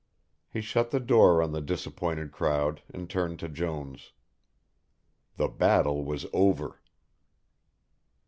He shut the door on the disappointed crowd and turned to Jones. The battle was over.